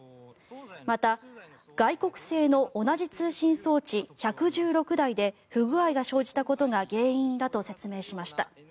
また、外国製の同じ通信装置１１６台で不具合が生じたことが原因だと説明しました。